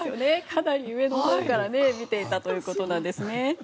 かなり上のほうから見ていたということなんですね。